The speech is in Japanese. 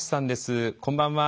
こんばんは。